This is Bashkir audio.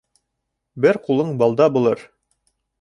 Бер ҡулың балда булыр